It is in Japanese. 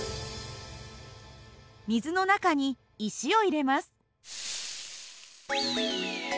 水の中に石を入れます。